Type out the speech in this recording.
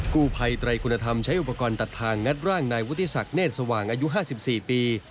กู้ภัยไตรคุณธรรมใช้อุปกรณ์ตัดทางงัดร่างนายวุฒิศักดิ์เนธสว่างอายุ๕๔ปี